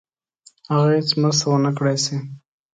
هغه هیڅ مرسته ونه کړای سي.